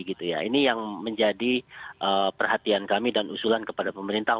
ini yang menjadi perhatian kami dan usulan kepada pemerintah